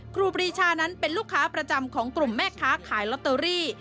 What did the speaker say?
ครูปรีชานั้นเป็นลูกค้าประจำของกลุ่มแม่ค้าขายลอตเตอรี่